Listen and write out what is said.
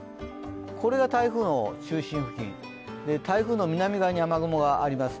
これが台風の中心付近、台風の南側に雨雲があります。